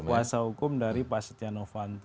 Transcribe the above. kuasa hukum dari pak setiano fanto